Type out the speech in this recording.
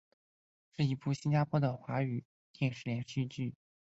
是一部新加坡的的华语电视连续剧。